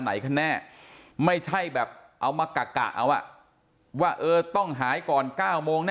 ไหนกันแน่ไม่ใช่แบบเอามากะเอาว่าเออต้องหายก่อน๙โมงแน